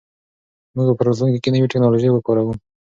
موږ به په راتلونکي کې نوې ټیکنالوژي وکاروو.